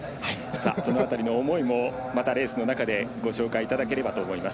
その辺りの思いもレースの中でご紹介いただければと思います。